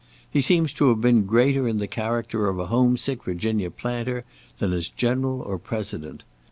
He seems to have been greater in the character of a home sick Virginia planter than as General or President.